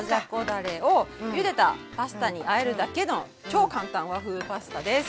だれをゆでたパスタにあえるだけの超簡単和風パスタです。